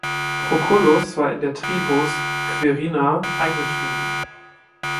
Proculus war in der Tribus "Quirina" eingeschrieben.